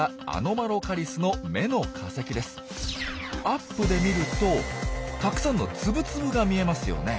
アップで見るとたくさんのツブツブが見えますよね。